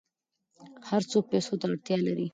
هر څوک پیسو ته اړتیا لري.